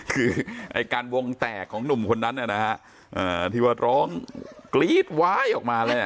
คือไอ้การวงแตกของหนุ่มคนนั้นน่ะนะฮะอ่าที่วัดร้องกรี๊ดว้ายออกมาแล้วน่ะ